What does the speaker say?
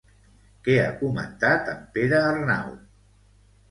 Què ha comentat en Perearnau?